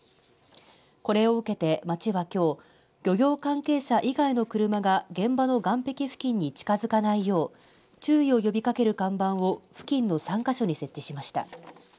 これを受けて町はきょう漁業関係者以外の車が現場の岸壁付近に近づかないよう注意を呼びかける看板を付近の３か所に設置しました。